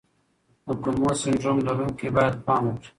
د کولمو سنډروم لرونکي باید پام وکړي.